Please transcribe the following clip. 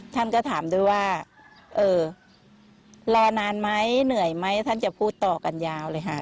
ท่านก็ถามด้วยว่าเออรอนานไหมเหนื่อยไหมท่านจะพูดต่อกันยาวเลยค่ะ